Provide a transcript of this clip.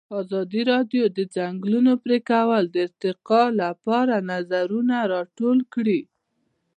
ازادي راډیو د د ځنګلونو پرېکول د ارتقا لپاره نظرونه راټول کړي.